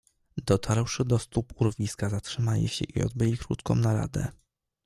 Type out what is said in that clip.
"Dotarłszy do stóp urwiska zatrzymali się i odbyli krótką naradę."